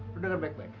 lo denger baik baik